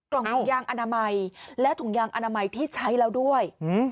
กล่องถุงยางอนามัยและถุงยางอนามัยที่ใช้แล้วด้วย